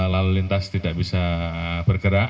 lalu lintas tidak bisa bergerak